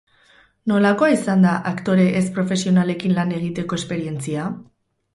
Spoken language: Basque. Nolakoa izan da aktore ez-profesionalekin lan egiteko esperientzia?